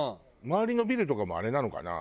周りのビルとかもあれなのかな？